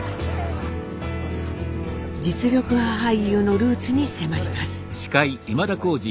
実力派俳優のルーツに迫ります。